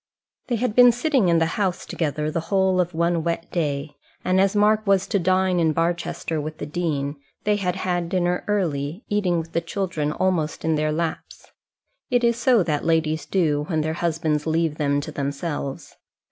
They had been sitting in the house together the whole of one wet day; and as Mark was to dine in Barchester with the dean, they had had dinner early, eating with the children almost in their laps. It is so that ladies do, when their husbands leave them to themselves.